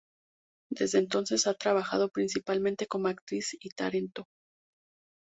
Desde entonces ha trabajado principalmente como actriz y tarento.